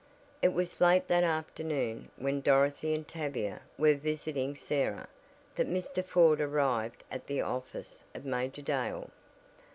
It was late that same afternoon, when Dorothy and Tavia were visiting Sarah, that Mr. Ford arrived at the office of Major Dale.